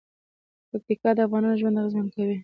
پکتیکا د افغانانو ژوند اغېزمن کوي.